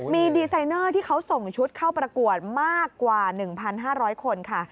มีดีไซเนอร์ที่เขาส่งชุดเข้าประกวดมากกว่า๑๕๐๐คนค่ะ